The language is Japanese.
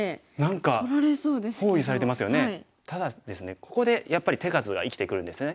ここでやっぱり手数が生きてくるんですね。